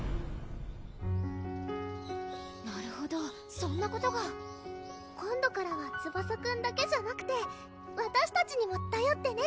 なるほどそんなことが今度からはツバサくんだけじゃなくてわたしたちにもたよってね！